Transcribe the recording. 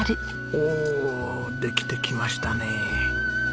おおできてきましたね。